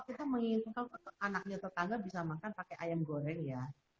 kita menginginkan anaknya tetangga bisa makan pakai ayam goreng ya